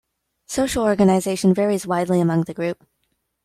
Social organisation varies widely among the group.